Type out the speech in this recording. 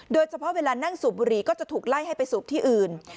โดยเฉพาะเวลานั่งสุบหรี่ก็จะถูกไล่ให้ไปสุบที่อื่น